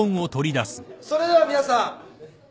それでは皆さん